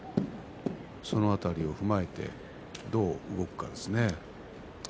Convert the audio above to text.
その辺りを踏まえてどう動くかですね。